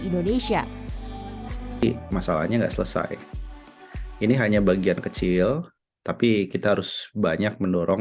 indonesia masalahnya enggak selesai ini hanya bagian kecil tapi kita harus banyak mendorong